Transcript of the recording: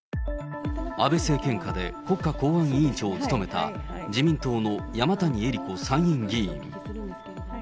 安倍政権下で国家公安委員長を務めた、自民党の山谷えり子参議院議員。